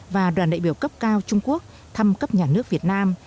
và đoàn đại biểu cấp cao trung quốc thăm cấp nhà nước việt nam